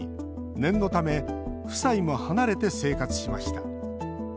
念のため夫妻も離れて生活しました。